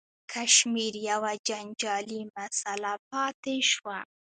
کشمیر یوه جنجالي مسله پاتې شوه.